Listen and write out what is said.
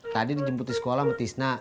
tadi dijemput di sekolah sama tisna